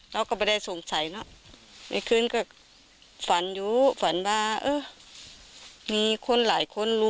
เห็นมีคนมาถุบคนตาย